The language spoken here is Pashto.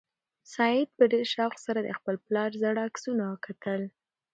سعید په ډېر شوق سره د خپل پلار زاړه عکسونه کتل.